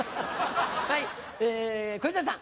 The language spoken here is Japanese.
はい小遊三さん。